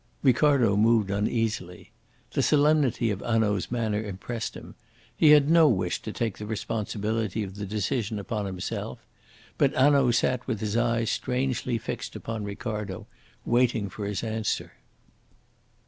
Ricardo moved uneasily. The solemnity of Hanaud's manner impressed him. He had no wish to take the responsibility of the decision upon himself. But Hanaud sat with his eyes strangely fixed upon Ricardo, waiting for his answer.